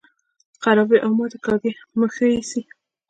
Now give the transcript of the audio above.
خرابې او ماتې کاږي مې ښې ایسي.